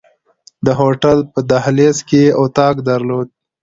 د هوټل په دهلیز کې یې اتاق درلود.